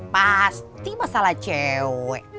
pasti masalah cewek